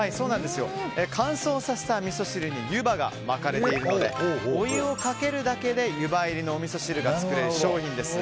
乾燥させた味噌汁に湯葉が巻かれているのでお湯をかけるだけで湯葉入りのお味噌汁が作れる商品です。